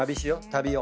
旅を。